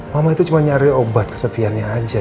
mama itu cuma nyari obat kesepiannya aja